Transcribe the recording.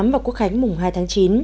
và quốc khánh mùng hai tháng chín